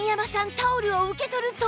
タオルを受け取ると